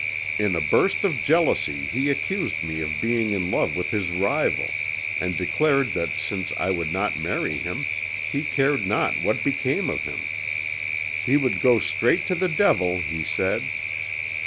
In a burst of jealousy he accused me of being in love with his rival, and declared that since I would not marry him he cared not what became of him. He would go straight to the devil, he said.